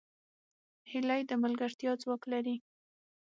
هیلۍ د ملګرتیا ځواک لري